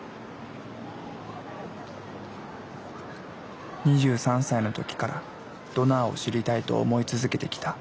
２３歳の時からドナーを知りたいと思い続けてきた石塚幸子さん。